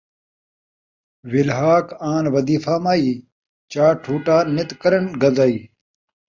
وِلہاک آن ودیفہ مائی ، چا ٹھوٹھا نت کرن گدائی